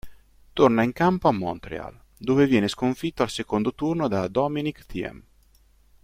Torna in campo a Montreal, dove viene sconfitto al secondo turno da Dominic Thiem.